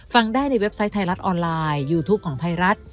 ฟังได้ในเว็บไซต์ไทยรัฐออนไลน์ยูทูปของไทยรัฐ